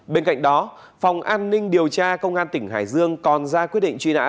bên cạnh đó phòng an ninh điều tra công an tỉnh hải dương còn ra quyết định truy nã